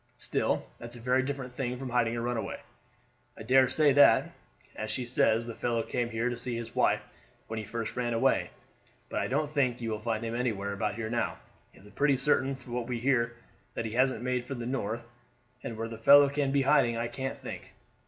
Still, that's a very different thing from hiding a runaway. I dare say that, as she says, the fellow came here to see his wife when he first ran away; but I don't think you will find him anywhere about here now. It's pretty certain from what we hear that he hasn't made for the North, and where the fellow can be hiding I can't think.